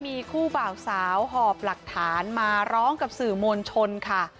มีคู่บ่าวสาวหอบหลักฐานมาร้องกับสื่อมวลชนค่ะ